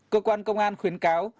cơ quan công an khuyến cáo